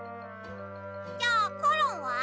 じゃあコロンは？